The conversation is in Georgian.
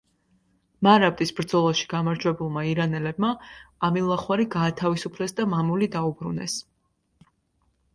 მარაბდის ბრძოლაში გამარჯვებულმა ირანელებმა ამილახვარი გაათავისუფლეს და მამული დაუბრუნეს.